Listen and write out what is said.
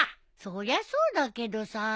そりゃそうだけどさ。